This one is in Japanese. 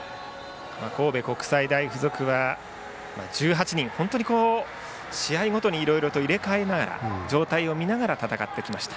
神戸国際大付属は１８人、本当に試合ごとにいろいろ入れ替えながら状態を見ながら戦ってきました。